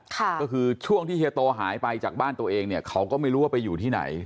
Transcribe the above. ก็คือช่วงที่เฮียโตหายไปจากบ้านตัวเองเนี่ยเขาก็ไม่รู้ว่าไปอยู่ที่ไหน